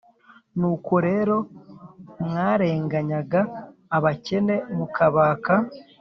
Nuko rero mwarenganyaga abakene mukabaka